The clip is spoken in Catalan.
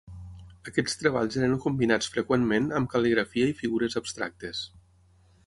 Aquests treballs eren combinats freqüentment amb cal·ligrafia i figures abstractes.